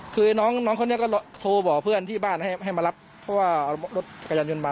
คือน้องคนนี้ก็โทรบอกเพื่อนที่บ้านให้มารับเพราะว่ารถจักรยานยนต์มา